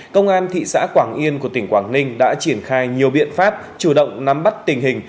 công an thị xã quảng yên của tỉnh quảng ninh đã triển khai nhiều biện pháp chủ động nắm bắt tình hình